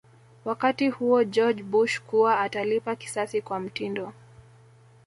wakati huo George Bush kuwa atalipa kisasi kwa mtindo